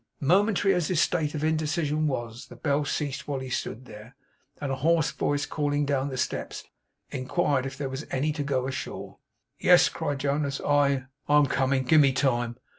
Momentary as his state of indecision was, the bell ceased while he stood there, and a hoarse voice calling down the steps, inquired if there was any to go ashore? 'Yes,' cried Jonas, 'I I am coming. Give me time.